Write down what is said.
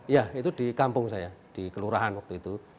ya itu di kampung saya di kelurahan waktu itu